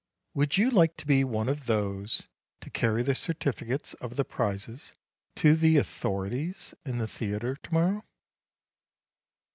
: 'Would you like to be one of those to carry the certificates of the prizes to the authorities in the theatre to morrow?"